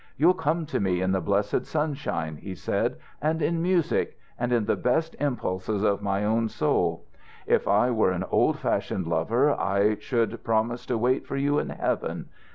'You'll come to me in the blessed sunshine,' he said, 'and in music, and in the best impulses of my own soul. If I were an old fashioned lover I should promise to wait for you in heaven....